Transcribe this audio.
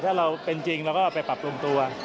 ถ้าเราเป็นจริงเราก็ไปปรับปรุงตัว